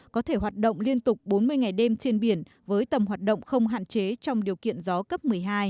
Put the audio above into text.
có thể hoạt động liên tục bốn mươi ngày đêm trên biển với tầm hoạt động không hạn chế trong điều kiện gió cấp một mươi hai